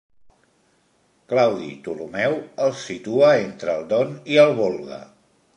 Claudi Ptolemeu els situa entre el Don i el Volga.